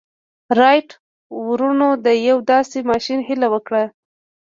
رایټ وروڼو د یوه داسې ماشين هیله وکړه